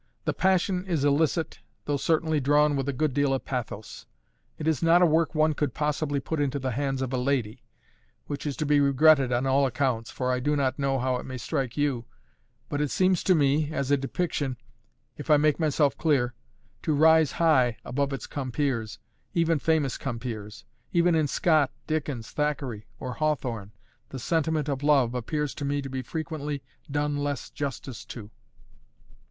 "The passion is illicit, although certainly drawn with a good deal of pathos. It is not a work one could possibly put into the hands of a lady; which is to be regretted on all accounts, for I do not know how it may strike you; but it seems to me as a depiction, if I make myself clear to rise high above its compeers even famous compeers. Even in Scott, Dickens, Thackeray, or Hawthorne, the sentiment of love appears to me to be frequently done less justice to."